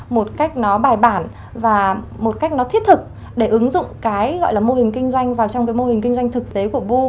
một cách nó bài bản và một cách nó thiết thực để ứng dụng cái gọi là mô hình kinh doanh vào trong cái mô hình kinh doanh thực tế của bu